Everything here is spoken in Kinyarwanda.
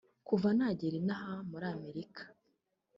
Kuva nagera inaha muri Amerika